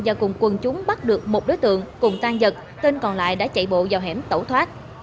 và cùng quân chúng bắt được một đối tượng cùng tan giật tên còn lại đã chạy bộ vào hẻm tẩu thoát